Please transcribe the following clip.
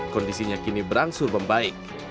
kondisinya kini berangsur membaik